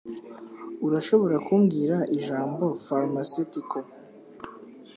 Urashobora kumbwira Ijambo "Pharmaceutical"?